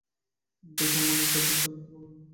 দেখো, অমন করে কথা চাপা দিতে পারবে না।